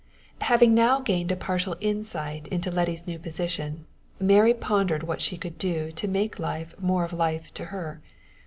Having now gained a partial insight into Letty's new position, Mary pondered what she could do to make life more of life to her.